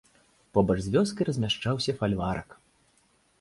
Побач з вёскай размяшчаўся фальварак.